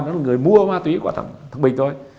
nó là người mua ma túy của thằng bình thôi